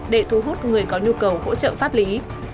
để thu hút người có nhu cầu hỗ trợ pháp lý